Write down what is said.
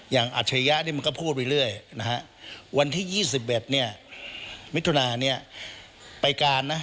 อัจฉริยะนี่มันก็พูดไปเรื่อยนะฮะวันที่๒๑เนี่ยมิถุนาเนี่ยไปการนะ